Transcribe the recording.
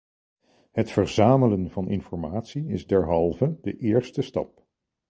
Het verzamelen van informatie is derhalve de eerste stap.